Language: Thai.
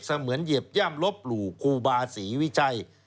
เหมือนเหยียบย่ำลบหลู่ครูบาศรีวิชัย